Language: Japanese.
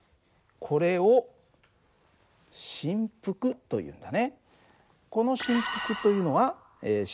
これを振幅というんだね。